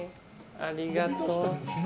ありがとう。